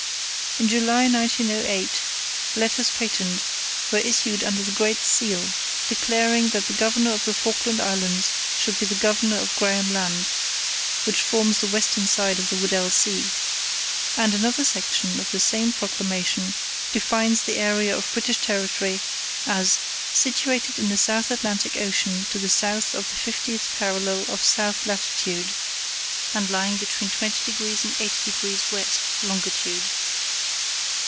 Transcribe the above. In July 1908, Letters Patent were issued under the Great Seal declaring that the Governor of the Falkland Islands should be the Governor of Graham Land (which forms the western side of the Weddell Sea), and another section of the same proclamation defines the area of British territory as 'situated in the South Atlantic Ocean to the south of the 50th parallel of south latitude, and lying between 20 degrees and 80 degrees west longitude.